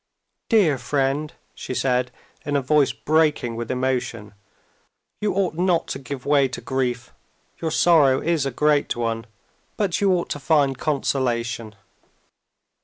"Dear friend!" she said in a voice breaking with emotion. "You ought not to give way to grief. Your sorrow is a great one, but you ought to find consolation."